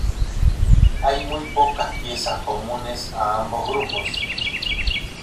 Hay muy pocas piezas comunes a ambos grupos.